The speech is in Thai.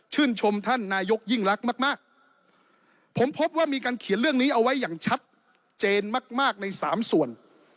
ชมท่านนายกยิ่งรักมากมากผมพบว่ามีการเขียนเรื่องนี้เอาไว้อย่างชัดเจนมากมากในสามส่วน